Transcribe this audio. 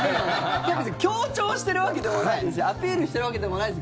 別に強調しているわけでもないですしアピールしているわけでもないです。